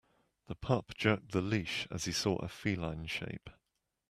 The pup jerked the leash as he saw a feline shape.